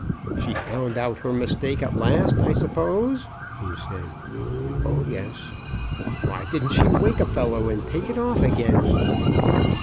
She found out her mistake at last, I suppose?" he said. " Oh, yes." *'Why didn't she wake a fellow and take it off again?